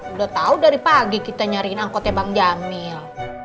udah tahu dari pagi kita nyariin angkotnya bang jamil